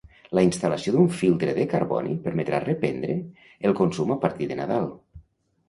La instal·lació d'un filtre de carboni permetrà reprendre el consum a partir de Nadal.